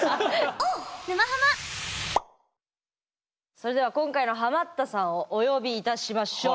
それでは今回のハマったさんをお呼びいたしましょう。